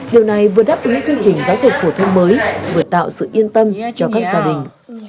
điều này vừa đáp ứng chương trình giáo dục phổ thông mới vừa tạo sự yên tâm cho các gia đình